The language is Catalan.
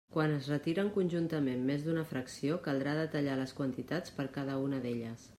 Quan es retiren conjuntament més d'una fracció caldrà detallar les quantitats per cada una d'elles.